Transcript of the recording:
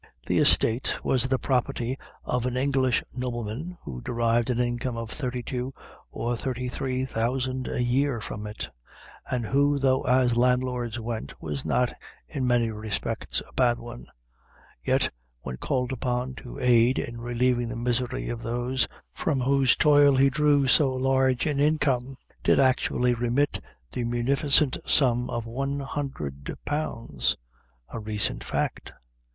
The estate was the property of an English, nobleman, who derived an income of thirty two or thirty three thousand a year from it; and who though, as landlords went, was not, in many respects, a bad one; yet when called upon to aid in relieving the misery of those from whose toil he drew so large an income, did actually remit back the munificent sum of one hundred pounds! [A recent fact.